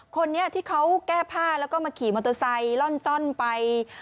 คนนี้ที่เขาแก้ผ้าแล้วก็มาขี่มอเตอร์ไซค์ล่อนจ้อนไป